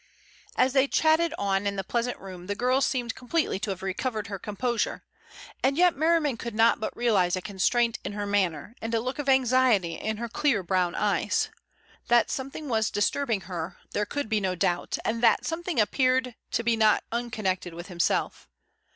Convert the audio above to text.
As they chatted on in the pleasant room the girl seemed completely to have recovered her composure, and yet Merriman could not but realize a constraint in her manner, and a look of anxiety in her clear brown eyes. That something was disturbing her there could be no doubt, and that something appeared to be not unconnected with himself.